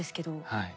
はい。